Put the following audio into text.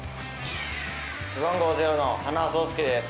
背番号０の塙蒼涼です。